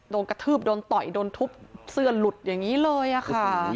กระทืบโดนต่อยโดนทุบเสื้อหลุดอย่างนี้เลยค่ะ